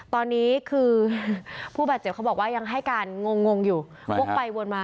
ตอนนี้คือผู้บาดเจ็บเขาบอกว่ายังให้การงงอยู่วกไปวนมา